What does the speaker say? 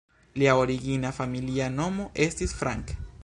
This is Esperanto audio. Lia origina familia nomo estis "Frank".